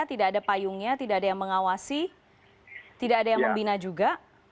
tidak ada payungnya tidak ada yang mengawasi tidak ada yang membina juga